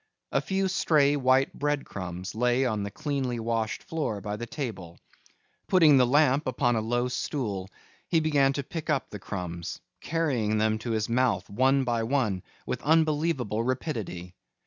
A few stray white bread crumbs lay on the cleanly washed floor by the table; putting the lamp upon a low stool he began to pick up the crumbs, carrying them to his mouth one by one with unbelievable rapidity.